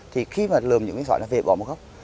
thì khi mà lườm những viên sỏi nó về bỏ một góc